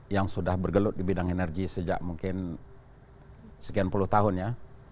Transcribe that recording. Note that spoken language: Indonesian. yang sudah bergelut di bidang energi sejak mungkin sekian puluh tahun ya